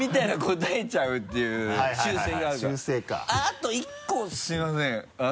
あと１個すみません。